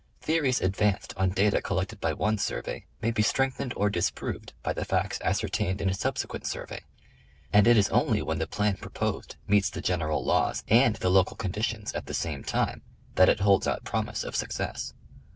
Theories advanced on data collected by one survey, may be strengthened or disproved by the facts ascertained in a subsequent survey; and it is only when the plan proposed meets the general laws and the local conditions at the same time, that it holds out promise of success.